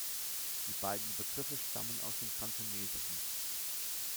Die beiden Begriffe stammen aus dem Kantonesischen.